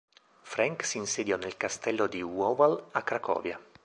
Frank si insediò nel castello di Wawel a Cracovia.